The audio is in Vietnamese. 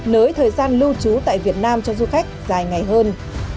nới thời gian lưu trú tại việt nam cho du khách dài ngày hơn